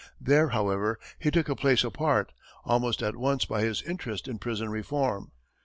There, however, he took a place apart, almost at once, by his interest in prison reform.